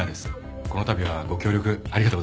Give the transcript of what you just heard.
このたびはご協力ありがとうございます。